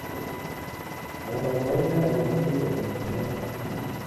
Abataka balina olukiiko enkya.